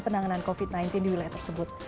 tetap sejahtera mbak